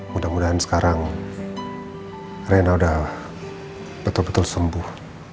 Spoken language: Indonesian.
mudah mudahan sekarang rena sudah betul betul sembuh